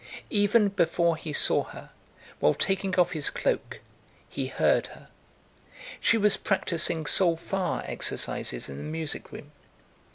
Even before he saw her, while taking off his cloak, he heard her. She was practicing solfa exercises in the music room.